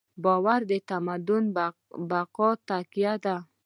باور د تمدن د بقا تکیه ده.